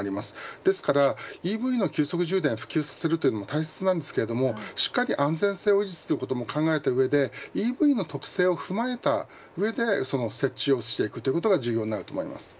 ですから、ＥＶの急速充電普及をさせるというのも大切なんですがしっかり安全性を維持することも考えた上でＥＶの特性を踏まえた上でその設置をしていくということが重要になると思います。